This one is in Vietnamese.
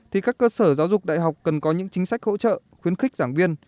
thì các cơ sở giáo dục đại học cần có những chính sách hỗ trợ khuyến khích giảng viên